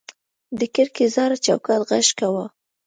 د کړکۍ زاړه چوکاټ غږ کاوه.